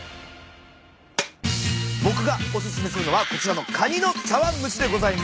僕がお薦めするのはこちらのカニの茶わん蒸しでございます。